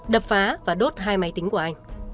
đập phá và đốt hai máy tính của anh